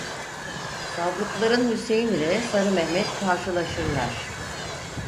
Savrukların Hüseyin ile Sarı Mehmet karşılaşırlar.